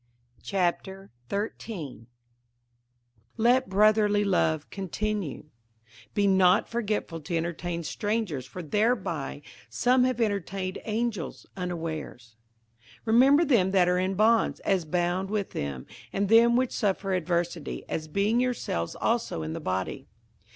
58:013:001 Let brotherly love continue. 58:013:002 Be not forgetful to entertain strangers: for thereby some have entertained angels unawares. 58:013:003 Remember them that are in bonds, as bound with them; and them which suffer adversity, as being yourselves also in the body.